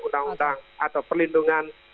undang undang atau perlindungan